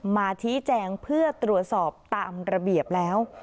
มาชี้แจงเพื่อตรวจสอบตามระเบียบแล้ว